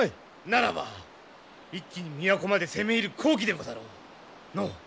ならば一気に都まで攻め入る好機でござろう！のう？